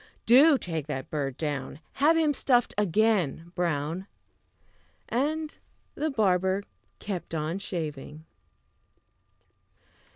Do take that bird down; Have him stuffed again, Brown!" And the barber kept on shaving.